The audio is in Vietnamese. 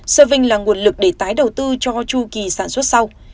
serving là nguồn lực để tái đầu tư cho chu kỳ sản xuất sau